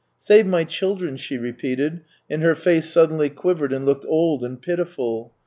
" Save my children," she repeated, and her face suddenly quivered and looked old and pitiful.